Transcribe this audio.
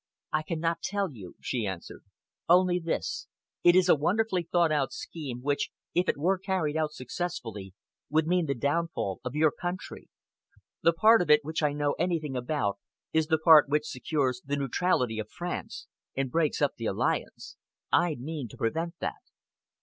"I cannot tell you," she answered, "only this! It is a wonderfully thought out scheme, which, if it were carried out successfully, would mean the downfall of your country. The part of it which I know anything about is the part which secures the neutrality of France, and breaks up the alliance. I mean to prevent that."